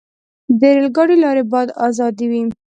د ریل ګاډي لارې باید آزادې وي.